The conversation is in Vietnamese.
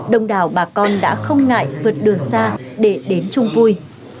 đông đảo bà con đã không ngại vượt đường xa để đến chung vui